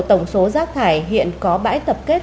tổng số rác thải hiện có bãi tập kết